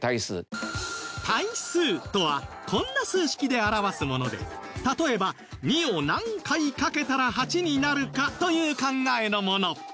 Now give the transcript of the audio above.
対数とはこんな数式で表すもので例えば２を何回掛けたら８になるか？という考えのもの